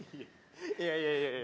いやいやいやいや。